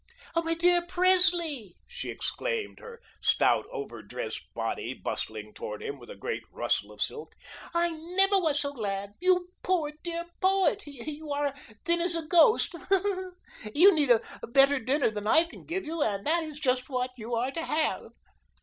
"My DEAR Presley," she exclaimed, her stout, over dressed body bustling toward him with a great rustle of silk. "I never was so glad. You poor, dear poet, you are thin as a ghost. You need a better dinner than I can give you, and that is just what you are to have."